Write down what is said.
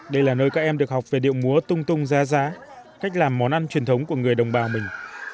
đây là nơi các em được học về điệu múa tung tung giá giá cách làm món ăn truyền thống của người đồng bào mình